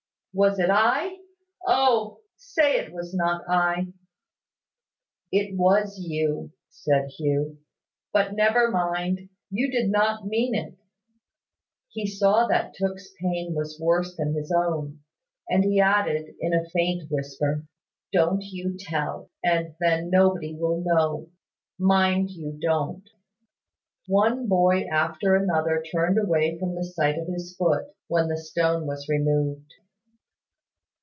Was it I? O! Say it was not I." "It was you," said Hugh. "But never mind! You did not mean it." He saw that Tooke's pain was worse than his own, and he added, in a faint whisper, "Don't you tell, and then nobody will know. Mind you don't!" One boy after another turned away from the sight of his foot, when the stone was removed.